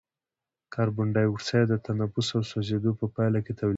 کاربن ډای اکساید د تنفس او سوځیدو په پایله کې تولیدیږي.